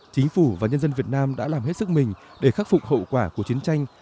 chính phủ và nhân dân việt nam đã làm hết sức mình để khắc phục hậu quả của chiến tranh